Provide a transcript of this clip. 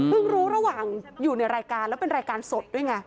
รู้ระหว่างอยู่ในรายการแล้วเป็นรายการสดด้วยไง